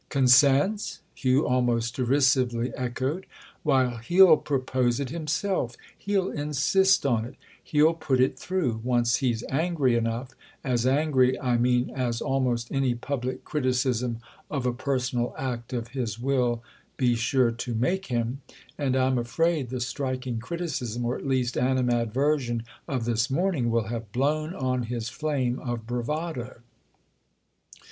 "'Consents'?" Hugh almost derisively echoed; "why, he'll propose it himself, he'll insist on it, he'll put it through, once he's angry enough—as angry, I mean, as almost any public criticism of a personal act of his will be sure to make him; and I'm afraid the striking criticism, or at least animadversion, of this morning, will have blown on his flame of bravado."